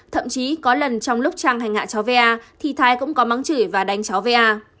thậm chí có lần trong lúc trang hành hạ cháu va thì thái cũng có mắng chửi và đánh cháu va